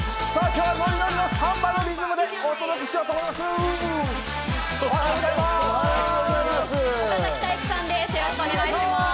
今日はノリノリのサンバのリズムでお届けしようと思います！